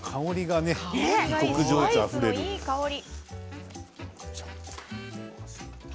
いい香り。